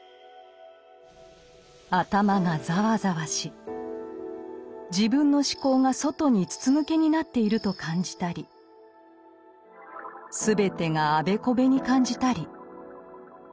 頭が「ざわざわ」し自分の思考が外に「つつぬけ」になっていると感じたり全てが「あべこべ」に感じたり。